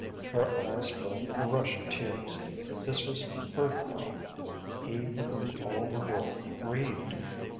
Her eyes filled with a rush of tears. This was her Karl he with whom all the world grieved!